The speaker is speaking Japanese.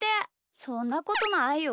そんなことないよ。